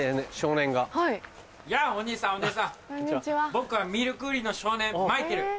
僕はミルク売りの少年マイケル。